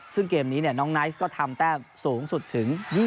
ซึ่งเกมนี้เนี่ยน้องไนท์ก็ทำแต่สูงสุดถึง๒๐คะแนนครับ